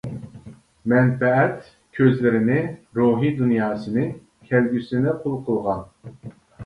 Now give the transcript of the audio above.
«مەنپەئەت» كۆزلىرىنى، روھىي دۇنياسىنى، كەلگۈسىنى قۇل قىلغان.